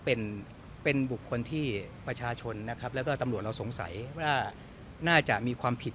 เป็นเป็นบุคคลที่ประชาชนนะครับแล้วก็ตำรวจเราสงสัยว่าน่าจะมีความผิด